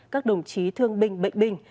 các đồng chí thương binh bệnh binh